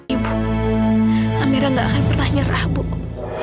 ibu amira gak akan pernah nyerah buku